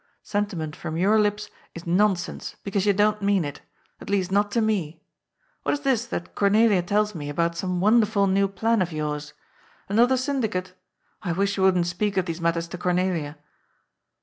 Sentiment from your lips is non sense, because you don't mean it. At least, not to me. What is this that Cornelia tells me about some wonderful new plan of yours? Another syndicate? I wish you wouldn't speak of these matters to Cornelia.'